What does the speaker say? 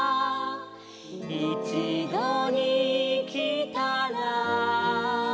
「いちどにきたら」